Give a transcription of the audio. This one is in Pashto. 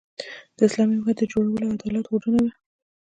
د اسلامي حکومت د جوړولو او عدالت هوډونه وو.